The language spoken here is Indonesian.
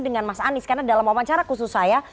dengan mas anies karena dalam wawancara khusus saya